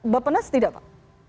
bapenas tidak pak